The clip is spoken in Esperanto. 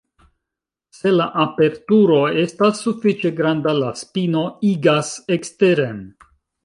Se la aperturo estas sufiĉe granda, la spino igas eksteren.